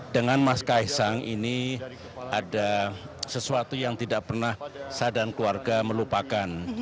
dengan mas kaisang ini ada sesuatu yang tidak pernah saya dan keluarga melupakan